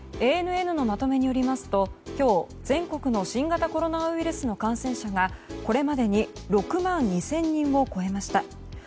ＡＮＮのまとめによりますと今日全国の新型コロナウイルスの感染者がこれまでに６万２０００人を超えました。